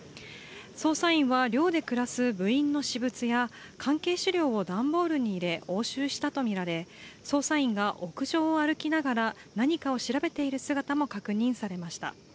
捜査員は寮で暮らす部員の私物や関係資料を段ボールに入れ押収したとみられ捜査員が屋上を歩きながら何かを調べている姿も確認されました。